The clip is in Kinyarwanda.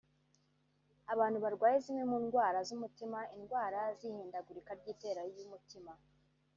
Abantu barwaye zimwe mu ndwara z’umutima(indwara z’ihindagurika ry’itera ry’umutima)